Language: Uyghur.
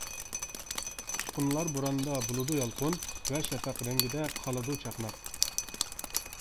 ئۇچقۇنلار بوراندا بولىدۇ يالقۇن، ۋە شەپەق رەڭگىدە قالىدۇ چاقناپ.